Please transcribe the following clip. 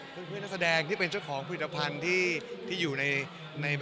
เพื่อนนักแสดงที่เป็นเจ้าของผลิตภัณฑ์ที่อยู่ใน